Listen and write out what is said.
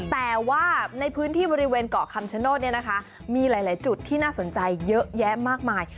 แต่ว่าในพื้นที่บริเวณเกาะคำชโนธเนี่ยนะคะมีหลายจุดที่น่าสนใจเยอะแยะมากมาย